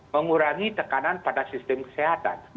mengurangi tekanan pada sistem kesehatan